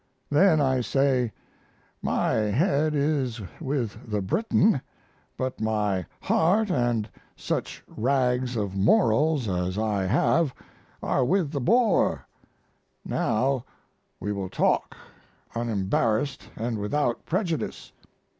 Then I say, "My head is with the Briton, but my heart & such rags of morals as I have are with the Boer now we will talk, unembarrassed and without prejudice."